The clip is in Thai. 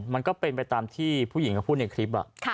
มันก็เป็นไปตามที่ผู้หญิงเขาพูดในคลิป